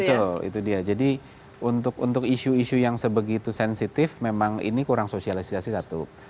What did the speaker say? betul itu dia jadi untuk isu isu yang sebegitu sensitif memang ini kurang sosialisasi satu